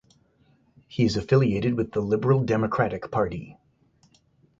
He is affiliated with Liberal Democratic Party.